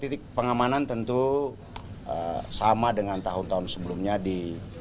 titik pengamanan tentu sama dengan tahun tahun sebelumnya di